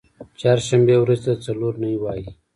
چهارشنبې ورځی ته څلور نۍ وایی